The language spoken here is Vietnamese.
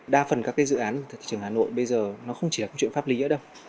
đa phần các dự án thị trường hà nội bây giờ nó không chỉ là chuyện pháp lý nữa đâu